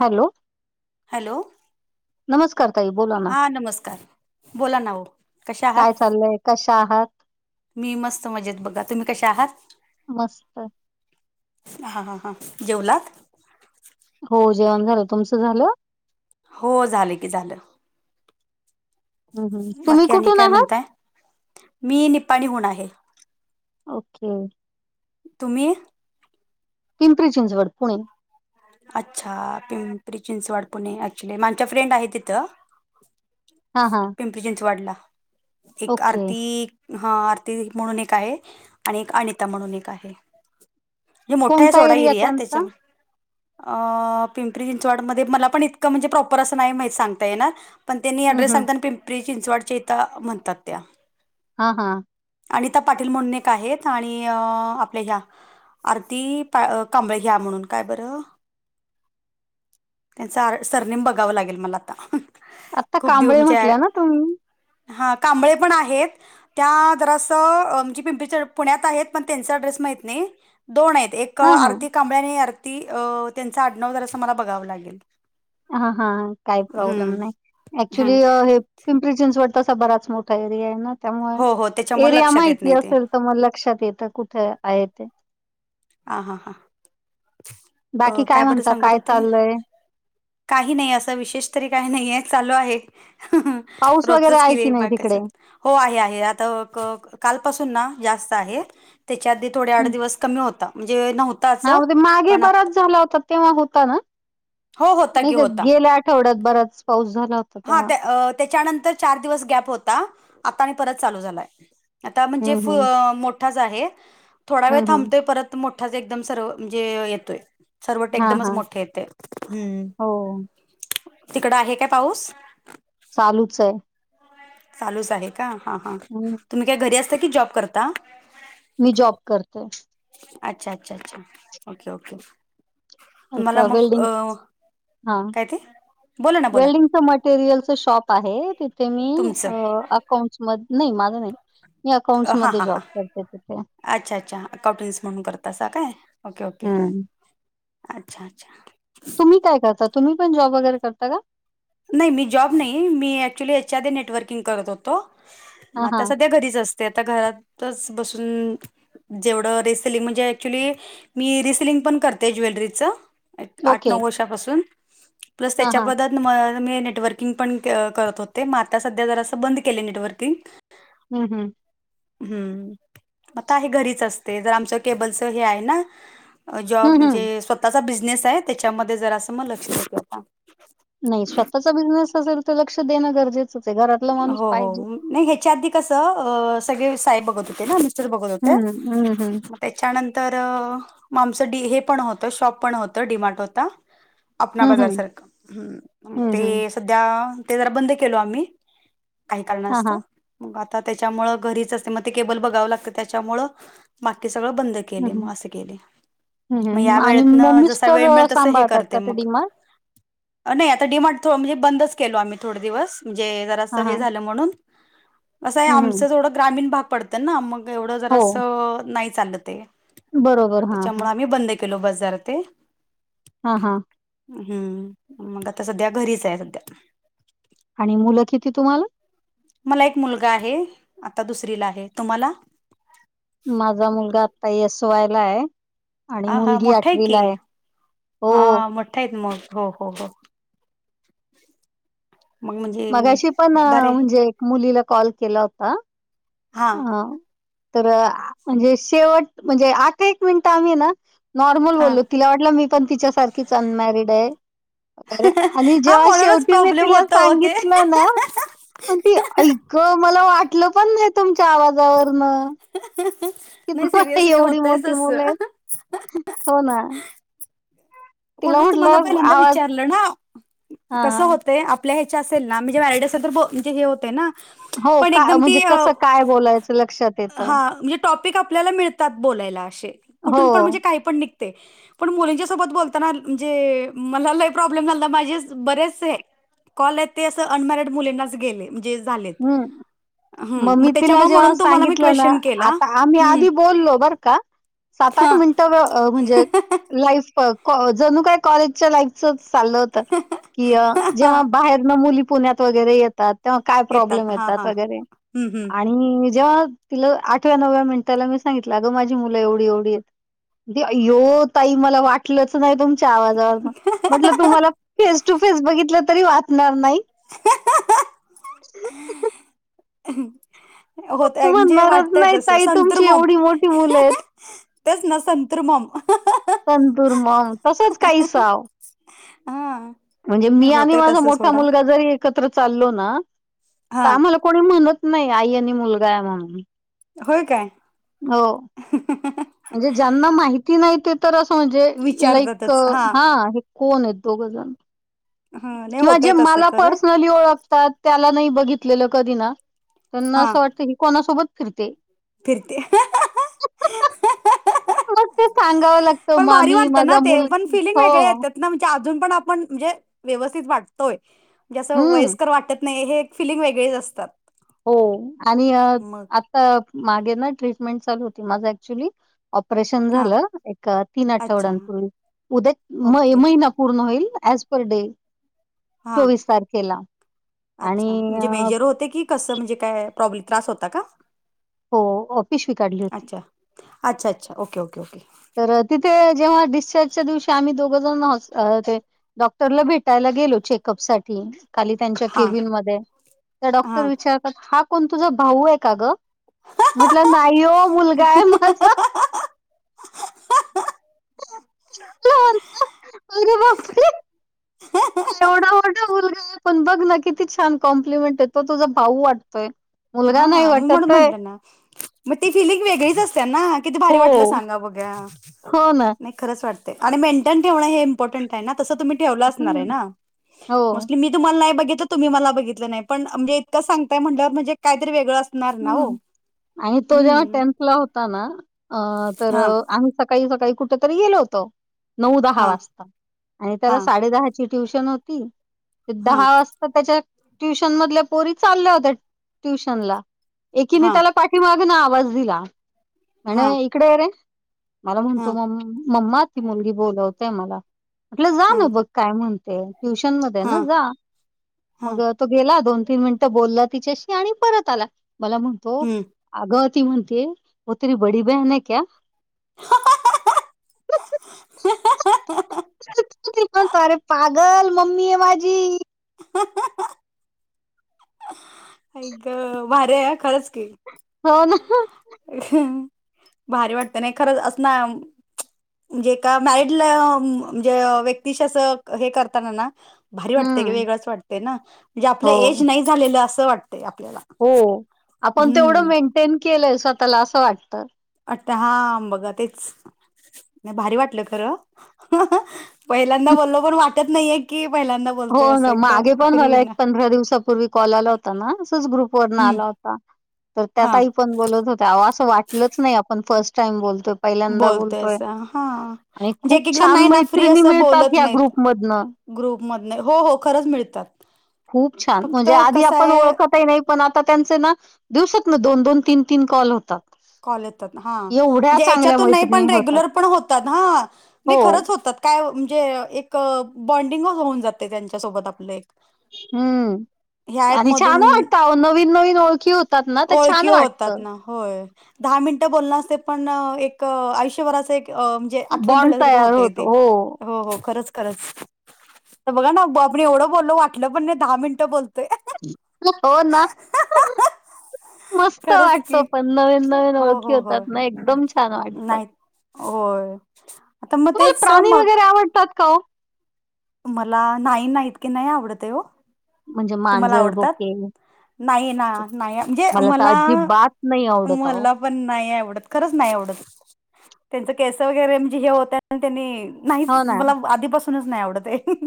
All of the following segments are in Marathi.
हॅलो हॅलो नमस्कार ताई बोला ना हा नमस्कार बोला ना हो कशा आहात कश्या आहात मी मस्त मजेत बघा तुम्ही कशा आहात मस्त हा हा हा जेवलात हो जेवण झालं तुमचं झालं हो झालं की झालं हं, हं. तुम्ही बाकी आणि कुठून काय आहात म्हणताय मी निपाणी होन आहे ओके तुम्ही पिंपरी चिंचवड पुणे अच्छा पिंपरी चिंचवड पुणे क्च्युली माझ्या फ्रेंड आहे तिथं हा हा प्पिंप्रि चिंचवडला एक ओके आर्थि हा आरती म्हणून एक आहे आणि एक अनिता म्हणून एक आहे हे मोठा आहे कोणता सोडा एरिया त्यांचा त्याच्या अ पिंपरी चिंचवडमध्येध्ये मला पण इतकं म्हणजे प्रॉपर असं नाही मा सांगता ये ना पण त्यांनी हं, अऍड्रेस हं. सांगताना पिंपरी चिंचवडच्या इथं म्हणतात त्या हा हा अनिता पाटील म्हणुनेक आहेत आणि आपल्या ह्या आरती कांबळे घ्या म्हणून काय बरं त्यांचा सरनेम बघावं लागेल मला आता आत्ता खूप दिव कांबळे म्हणजे म्हटल्या ना तुम्ही हा कांबळे पण आहेत त्या दरासं म्हणजे पिंपरी च पुण्यात आहेत पण त्यांचा ड्रेस माहत नाही दोन आहेत एक एक हा हा आरती कांबळ्याने आरती अ त्यांचा आडनव जर असं मला बघावं लागेल हा हा काही प्रॉब्लेम हम्म नाही हां ऍक्च्युली हे चिंचवड तसा बराच मोठा एरिया आहे ना हो हो त्यामुळे त्याच्यामुळे एरिया लक्षात येत माहितती नाही ते असेल तर मग लक्षात येतं कुठे आहे ते हा हा हा बाकी काय म्हणत काय चाललय काही नाही असं विशेष तरी काही नाही आहे चालू आहे पाऊस वगैरे रोजच आहे केली की नाही बाकीचं तिकडे हो आहे आहे आता कालपासून ना जास्त आहे त्याच्या आधी थोडे हं. आठ दिवस कमी होता म्हणजे नव्हता हा मागे बराच झाला होता तेव्हा होता ना हो होता की नाही का होता गेल्या आठवड्यात बराच पाऊस झाला होता हां तेव्हा त्या अ, त्याच्यानंतर चार दिवस गॅप होता आता आणि परत चालू झालाय आता म्हणजे हं, हं. मोठाच आहे थोडा वेळ हं, हं. थांबतोय परत मोठाच एकदम सर्व म्हणजे येतोय सर्वट हां, एकदमच हां. मोठे येते हम्म हो. तिकड आहे काय पाऊस चालूच आहे चालूच आहे का हा हां हम् तुम्ही काय घरी असता की जॉब करता मी जॉब करते अच्छा अच्छा अच्छा ओके ओके एक तुम्हाला मग वेल्डिंग अ, हा काय ते? बोला ना बोला वेल्डिंगच मटेरियलच शॉप आहे तिथे मी तुमचं. अकाउंट्स मध्ये नाही माझं नाही अकां् हां मध्ये हां हां. जॉब करते तिथे. अच्छा अच्छा अकाउटेन्स म्हणून करत अस काय ओके ओके हं. अच्छा अच्छा ी काय करता तुम्ही पण जॉब वगैरे करता का नाही मी जॉब नाही मी ऍक्च्युली याच्या आधी नेटवर्किंग करत होतो म हां, आता हां. सध्या घरीच असत ते आता घरातच बसून जेवढं रिसेलिंग म्हणजे ऍक्च्युली मी रिसेलिंग पण करते ज्वेलरीचं. आठ ओके. नऊ वर्षापासून प्लस हां, हां. त्याच्याबद्दल मी नेटवर्किंग पण करत होते म आता सध्या जरासं अस बंद केलं नेटवर्किंग. हम् हम् हम् आता हे घरीच असते जर आमचं केबलचं हे आहे ना जॉब हं, हं. म्हणजे स्वतःचा बिझनेस आहे त्याच्यामध्ये जरा असं म लक्ष देतलं सां नाही स्वतःचा बिझनेस असेल तर लक्ष देणं गरजेचं स घर हो हो नाही ह्याच्या आधी कसं अ सगळे साहेब बघत होते ना च बघोल हं, होते हं, हं. त्याच्यानंतर मग आमचं डी हे पण होतं शॉप पण होतं डीमार्ट होता अपणा हं, बाजार हं. सारखं मग हं, ते हं. सध्या ते जरा बंद केलो आम्ही. काही कारण हां, असतं हां. मग आता त्याच्यामुळ घरीच असते म ते केबल बघाव लागत त्याच्यामुळ बाकी सगळं बंद हं, केले हं. म असं गेले हं, म हं. या आणि वेळेतन मग जसा मिस्टर वेळ मिळ अ, तस हे सांभाळतात करते का ते मग. डी-मार्ट? नाही आता डीमार्ट म्हणजे बंदच केलो आम्ही थोडे दिवस म्हणजे जरा असं हां, हे हां. झालं म्हणून असं आहे हं, हं. आमचं जवढं ग्रामीण भाग पडतं ना मग एवढं हो. जरासं नाही चाल ते बरोबर. म हां, त्याच्यामुळ हां. आम्ही बंद केलो बाजार ते. हा हा. हम्म मंग आता सध्या घरीच आहे सध्या. आणि मुलं किती तुम्हाला? मला एक मुलगा आहे आता दुसरीला आहे. तुम्हाला? माझा मुलगा आत्ता एस् वाय ला आहे. आणि हा हा मुलगी मोठा आठवीला की आहे हो. हा मोठा हो हो हो. मंग म्हणजे मगाशी पण अ, बरे आहे. म्हणजे एक मुलीला कॉल केला होता हा अ तर म्हणजे शेवट म्हणजे आठ एक मिनिटं आम्ही ना नॉर्मल हा बोललो तिला वाटलं मी पण तिच्यासारखीच अनमॅरिड आहे. र आणि हा जेव्हा म्हणूनच शेवटी मी प्रॉब्लेम तिला होत हो ते सांगितलं ना पण ती आई गं! मला वाटलं पण नाही तुमच्या आवाजावरनं. कि नाही तुम्हाला सिरियसली एवढी होतय मोठी मुलं तसं. आहेत हो ना. तिला म्हणुनच म्हटलं तुम्हाला पहिल्यांदा आवाज विचारलं ना. हा कसं होतंय आपल्या ह्याच्या असेल ना म्हणजे मॅरिड असेल तर म्हणजे हे होते ना. हो पण का एकदम म्हणजे ती अ कसं काय बोलायचं लक्षात येतं हा म्हणजे टॉपिक आपल्याला मिळ तात बोलायला अशे हो कुठुन पण काहीपण निघतयं पण मुलींच्या सोबत बोल ताना म्हणजे मला लय प्रॉब्लेम झालता माझे बरेचसे कॉल आहेत ते असं अनमॅरिड मुलींनाच गेले म्हणजे झालेत. हम्म म मग मी तिला त्याच्यामुळे जेव्हा म्हणून तुम्हाला मी सांगितलं ना क्वेश्चन केला आता आम्ही हम्म आधी बोललो बर का! सात आठ हा. मिनिटं म्हणजे लाईफ अ जणू काय कॉलेजच्या लाईफचचं चाललं होत की जेव्हा बाहेरनं मुली पुण्या त वैगेर येतात तेव्हा काय प्रॉब्लेम हा येतात हा वैगेरे. हम्म आणि मी जेव्हा तिला आठव्या नवव्या मिनिटाला मी सांगितलं अगं माझी मुलं एवढी एवढी आहेत. अय्यो ताई मला वाटलंच नाही तुमच्या आवाजावरनं. म्हटलं तुम्हाला फेस टू फेस बघितलं तरी वाटणार नाही. [inaudible] तू होतंय म्हणजे म्हणणारच वाटतंय नाही तसं ताई संतुर तुमची मॉम. एवढी मोठी मुलं आहेत. तेच ना संतुर मॉम. संतूर मॉम तसेच काहीसाव हा म्हणजे नाही मी आणि होतय माझा तसं मोठा सोडा मुलगा जरी एकत्र चाललो ना हा तर आम्हाला कोणी म्हणत नाही आई आणि मुलगा आहे म्हणून. होय काय. हो. म्हणजे ज्यांना माहिती नाही ते तर असं म्हणजे लाईक अ हा. कोण आहेत दोघजण हा नाही किंवा होतय जे तसं मला खरं पर्सनली ओळख तात त्याला नाही बघितलेलं कधी ना त्यांना हा असं वाटतं की ही कोणासोबत फिरते. फिरते. मग ते सांगावं लागतं पण भारी मामी वाटत ना माझा ते मुल पण फिलिंग हो वेगळ्या येत्यात. म्हणजे अजून पण आपण म्हणजे व्यवस्थित वाटतोय म्हणजे असं हम्म वयस्कर वाटत नाही हे फिलिंग वेगळेच असतात. हो आणि मग आता मागे ना ट्रीटमेंट चालू होती माझ ऍक्च्युली ऑपरेशन हा झालं. एका तीन अच्छा आठवड्यांपूर्वी. उद्या म ओके. महिना पूर्ण होईल. As per day. हां चोवीस तारखेला. आणि अच्छा अ म्हणजे मेजर होते की कसं, म्हणजे काय? प्रॉब्लेम त्रास होता का? हो. ऑ पिसवी काढली होती. अच्छा अच्छा - अच्छा. Okay, okay, okay. तर तिथे जेव्हा डिस्चार्जच्या दिवशी, आम्ही दोघजण हॉस अ न ते डॉक्टरला भेटायला गेलो. चेकअप साठी. खाली त्यांच्या हां केबिन मध्ये. त्या डॉक्टर हां विचारतात, हा कोण तुझा भाऊ आहे का, गं? म्हटलं नाही. ओ, हां मुलगाय माझा. तो - [inaudible] अरे, बाप रे! एवढा मोठा मुलगाय. पण बघ ना, किती छान कॉम्प्लिमेंटय. तो तुझा भाऊ वाटतोय. मुलगा हा. नाही म म्हड वाटत आहे. म्हणलं ना. मग ती, फिलिंग वेगळीच असते ना. किती भारी वाटलं हो, सांगा. बघ्या. हो ना. खरच वाटतंय. आणि मेनटेन ठेवणं हे इंपॉर्टन्ट आहे ना? तस तुम्ही ठेवलं असणारे हं, ना? हो. मोस्टली मी तुम्हाला नाही बघितलं. तुम्ही मला बघितलं नाही. पण जे इतकं सांगताय म्हणल्यावर, म्हणजे काही तरी वेगळ अस हम्म, आणि तो जेव्हा टेन्थ ला होता होता ना. अ तर हां आम्ही सकाळी - सकाळी, कुठं तरी गेलो होतो. नऊ - दहा हां वाजता. आणि त्याला हां साडे दहाची ट्युशन होती. हां दहा वाज ता त्याच्या ट्युशन मधल्या पोरी. चालल्या होत्या ट्युशनला. एकीने हां त्याला पा पाठीमागन आवाज दिला. म्हणे, हां इकडे रे. मला म्हणतो हां म मम्मा, ती मुलगी बोलवतेय मला. म्हटलं, जा हां न बघ काय म्हणते? ट्युशन मध्ये ना हां जा. हां मग तो गेला. दोन- तीन मिनिटं बोलला तिच्याशी. आणि परत आला. मला म्हणतो हं. अगं, ती म्हणतिये. वो तेरी बडी बेहन हे क्या? [unintelligible] [unintelligible] तो मनतो अरे, पा गल. मम्मीय, माजी. [unintelligible] आई ग! भारी ह, खरंच की. हो, ना. [unintelligible] भारी वाटतं ना, खरंच. अस ना म्हणजे एका मॅरीडल म्हणजे, व्यक्तीशी अस हे करताना ना भारी वाटते गं. हम्म वेगळंच वाटतेय ना. म्हणजे आपलं हो एज नाही झालेलं. असं वाटतय आपल्याला. हो. आपण तेवढं हम्म मेंटेन केलंय, स्वतःला. असं वाटतं. वाटतं हा, बघा. तेच. नाही भारी वाटलं खरं. [unintelligible] पहिल्यांदा बोललो. पण वाटत नाहीे की, पहिल्यांदा हो बोलतोय असं. ना मागे एकदम पण फ्री मला एक न. पंधरा दिवसापूर्वी कॉल आला होता ना. असच ग्रुपवरन हम्म आला होता. तर त्या हा ताई पण बोलत होत्या. असं वाटलंच नाही. आपण फर्स्ट टाईम बोलतोय. पहिल्यांदा बोलतोय. बोलतोयस हा आणि म्हणजे खूप एक एक जण छान नाही ना मैत्रिणी मिळतात, या ग्रुपमधनं. ग्रुपमधन. हो, हो. खरंच मिळतात. खूप छान. फक्त म्हणजे, आधी कसं आपण आहे ओळखतही नाही. पण आता त्यांचे ना, दिवसातन दोन - दोन, तीन - तीन कॉल होतात. कॉल येतात हा एवढ्या म्हणजे चांगल्या याच्यातून नाही मैत्रिणी पण होतात रेग्युलर पण होतात ह नई हो खरच होतात. काय ओ म्हणजे एक बॉन्डिंग होऊन जातय त्यांच्यासोबत आपलं एक. ह्या हम्म ऍप आणि छान मधून वाटत आओ नवीन नवीन ओळखी होत होतात ना ते ओळखी छान होतात वाटतं. ना होय दहा मिनटं बोलण असतय पण एक आयुष्यभराच एक अम म्हणजे आठवण बॉन्ड ठेवल्या सरक तयार होतय तेे. होतो हो हो हो खरंच खरच. तर बघा ना ब आपण एवढं बोलल वाटलं पण नाही दहा मिनटं बोलतोय. हो ना? मस्त खरंच की वाटतो पण नवीन नवीन ओळखी होतात ना? एकदम छान वाटतं. नाहीत. होय आता मग तेच मग - त्यात का? मला नाही ना इतकी नाही आवडत आहे हो. म्हणजे तुम्हाला मांजर, आवडतात बोके नाही ना नाही म्हणजे तर मला अजिबात नाही आवडत अहो. मला पण नाही आवडत. खरंच नाही आवडत. त्यांच केस वगैरे म्हणजे हे होतात. त्यांनी नाहीच हो ना. मला आधीपासूनच नाही आवडत आहे.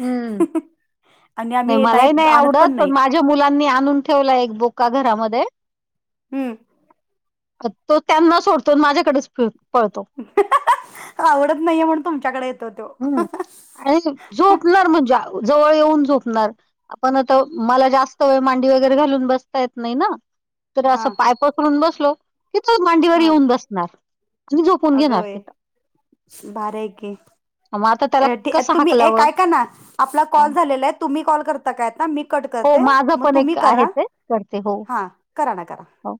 हम्म आणि नाही आम्ही मलाही नाही आणत आवडत पण नाही माझ माझ्या मुलांनी आणून ठेवलाय. एक बोका घरामध्ये. हम्म. तो त्यांना सोडतो अन् माझ्याकडेच फि - पळतो. आवडत नाहीये म्हणून तुमच्याकडे येतो तो. हं. आणि झोपणार म्हणजे जवळ येऊन झोपणार. आपण आता मला जास्त वेळ मांडी वगैरे घालून बसता येत नाही ना? तर असं हा पाय पसरून बसलो की तो मांडीवर येऊन बसणार. आणि झोपून घेणार अगवय तिथं. भारी हाय की. मग आता त्याला है ठी कसं तुम्ही एक हाकलावं? ऐका ना आपला हां. कॉल झालेला आहे. तुम्ही कॉल करता काय आता मी कट हो करते. माझं मग पण तुम्ही एक आहे करा. ते करते हो. हा करा न करा. हो.